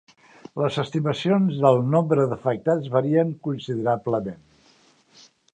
Les estimacions del nombre d'afectats varien considerablement.